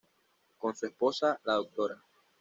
Con su esposa, la Dra.